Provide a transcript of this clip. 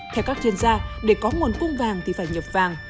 theo các chuyên gia để có nguồn cung vàng thì phải nhập vàng